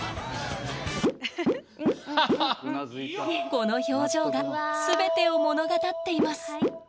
この表情がすべてを物語っています。